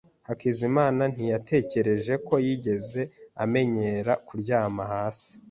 Hakizimana ntiyatekereje ko yigeze amenyera kuryama hasi.